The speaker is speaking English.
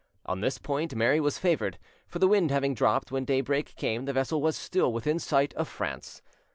On this point Mary was favoured; for the wind having dropped, when daybreak came the vessel was still within sight of France.